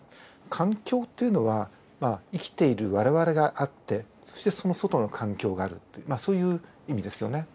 環境というのは生きている我々があってそしてその外の環境があるというそういう意味ですよね。